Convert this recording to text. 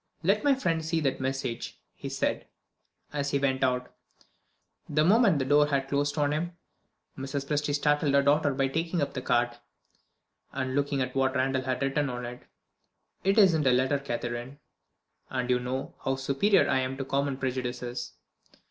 "Let my friend see that message," he said, as he went out. The moment the door had closed on him, Mrs. Presty startled her daughter by taking up the card and looking at what Randal had written on it. "It isn't a letter, Catherine; and you know how superior I am to common prejudices."